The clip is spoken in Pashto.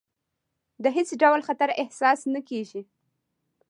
د هېڅ ډول خطر احساس نه کېږي.